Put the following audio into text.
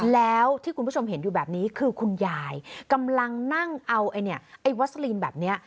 แล้วที่คุณผู้ชมเห็นอยู่แบบนี้คือคุณยายกำลังนั่งเอาไอ้วัสลีนแบบนี้